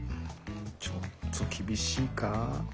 ちょっと厳しいか？